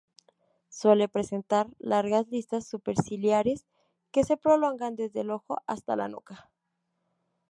Suele presentar largas listas superciliares que se prolongan desde el ojo hasta la nuca.